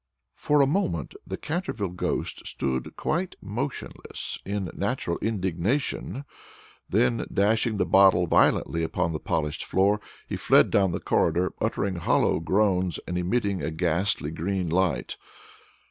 For a moment the Canterville ghost stood quite motionless in natural indignation; then, dashing the bottle violently upon the polished floor, he fled down the corridor, uttering hollow groans, and emitting a ghastly green light.